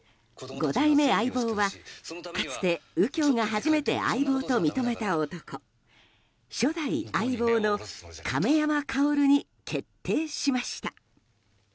５代目相棒は、かつて右京が初めて相棒と認めた男初代相棒の亀山薫に決定しました。